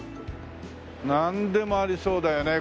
なんでもありそうだよね。